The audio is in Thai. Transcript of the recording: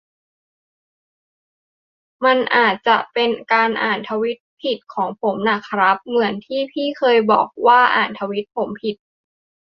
มันอาจจะเป็นการอ่านทวีตผิดของผมน่ะครับ เหมือนกับที่พี่ก็เคยบอกว่าอ่านทวีตผมผิด